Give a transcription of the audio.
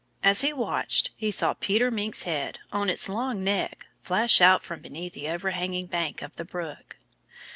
As he watched, he saw Peter Mink's head, on its long neck, flash out from beneath the overhanging bank of the brook.